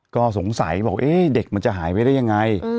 ก็สงสัยบอกเด็กมันจะหายไปได้ยังไง